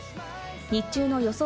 日中の予想